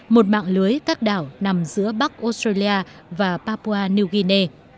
một mạng lưới các đảo nằm giữa bắc australia và papua new guinea